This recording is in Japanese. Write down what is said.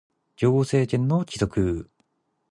行政権の帰属